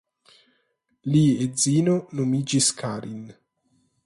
Li edzino nomiĝis Karin.